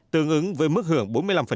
tương ứng với mức hưởng bốn mươi năm